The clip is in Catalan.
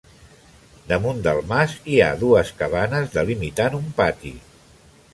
Damunt del mas hi ha dues cabanes delimitant un pati.